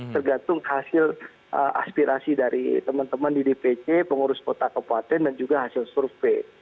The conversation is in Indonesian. tergantung hasil aspirasi dari teman teman di dpc pengurus kota kepuatan dan juga hasil survei